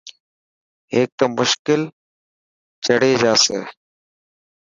هيڪ ته مشڪل ڇڙي جاسي.